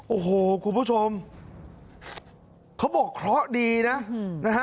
โอ้โหคุณผู้ชมเขาบอกเคราะห์ดีนะนะฮะ